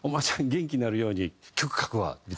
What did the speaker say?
元気になるように曲書くわ」みたいな。